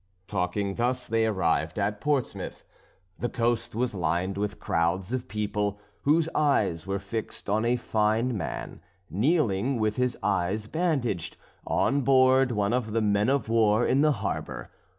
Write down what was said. Talking thus they arrived at Portsmouth. The coast was lined with crowds of people, whose eyes were fixed on a fine man kneeling, with his eyes bandaged, on board one of the men of war in the harbour.